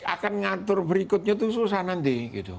akan ngatur berikutnya itu susah nanti gitu